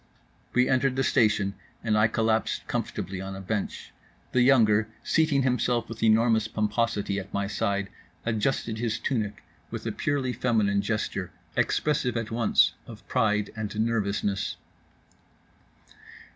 We entered the station and I collapsed comfortably on a bench; the younger, seating himself with enormous pomposity at my side, adjusted his tunic with a purely feminine gesture expressive at once of pride and nervousness.